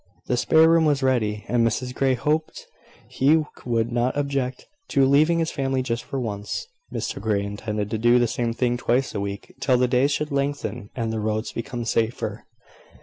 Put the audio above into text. The spare room was ready; and Mrs Grey hoped he would not object to leaving his family just for once. Mr Grey intended to do the same thing twice a week, till the days should lengthen, and the roads become safer.